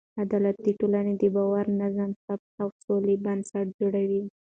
عدالت د ټولنې د باور، نظم، ثبات او سوله بنسټ جوړوي.